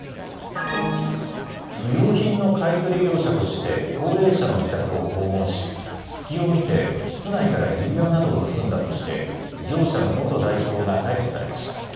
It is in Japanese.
不用品の買い取り業者として、高齢者の自宅を訪問し、隙を見て室内から指輪などを盗んだとして、業者の元代表が逮捕されました。